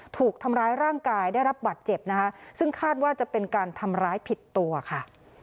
ถูกทำร้ายร่างกายได้รับบัตรเจ็บนะคะซึ่งคาดว่าจะเป็นการทำร้ายผิดตัวค่ะ